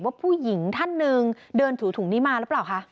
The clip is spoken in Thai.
ว่าผู้หญิงท่านหนึ่งเดินถือถุงนี้มาหรือเปล่าคะ